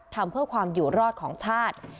ทำเพื่อความอยู่รอดของชาติ